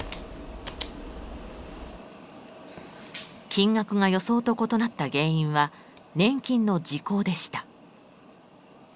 金額が予想と異なった原因は年金の時効でした。